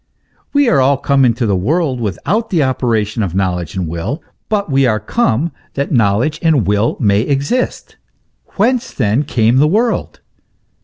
We are all come into the world without the operation of knowledge and will ; but we are come that knowledge and will may exist. Whence, then, came the world